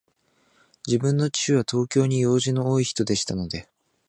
自分の父は、東京に用事の多いひとでしたので、